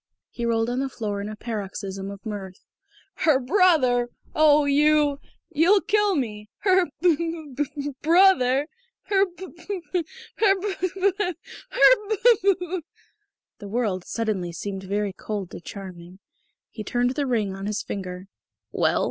_" He rolled on the floor in a paroxysm of mirth. "Her brother! Oh you You'll kill me! Her b b b b brother! Her b b b b her b b b her b b " The world suddenly seemed very cold to Charming. He turned the ring on his finger. "Well?"